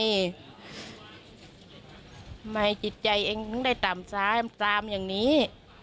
ทำไมจิตใจเองถึงได้ต่ำซ้ายตามอย่างนี้